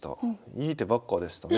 いい手ばっかでしたね。